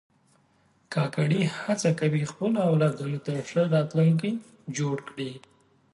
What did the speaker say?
کاکړي هڅه کوي خپلو اولادونو ته ښه راتلونکی جوړ کړي.